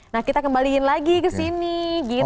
nah kita kembaliin lagi kesini gitu